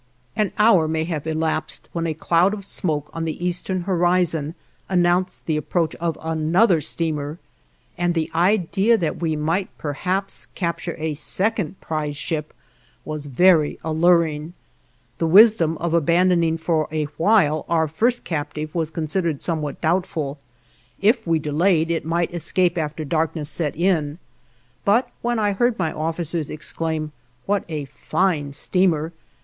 An hour may have elapsed when a cloud of smoke on the eastern horizon announced the approach of another steamer, and the idea that we might perhaps capture a second prize ship was very alluring. The wisdom of abandoning for a while our first captive was considered somewhat doubtful; if we delayed it might escape after darkness set in, but when I heard my officers exclaim "What a fine steamer!"